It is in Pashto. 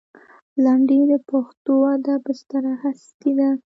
لنډۍ د پښتو ادب ستره هستي ده.